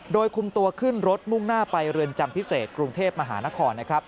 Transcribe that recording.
โดยคุมตัวขึ้นรถมุ่งหน้าไปเรือนจำพิเศษกรุงเทพมหานครนะครับ